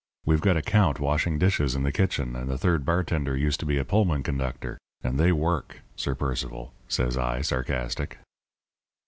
We've got a count washing dishes in the kitchen; and the third bartender used to be a Pullman conductor. And they work, Sir Percival,' says I, sarcastic.